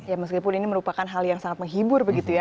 ya meskipun ini merupakan hal yang sangat menghibur begitu ya